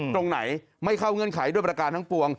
ตรงไหนไม่เข้าเงื่อนไขด้วยประการทั้งปวง